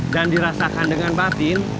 dan dirasakan dengan batin